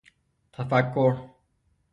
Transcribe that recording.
تفکر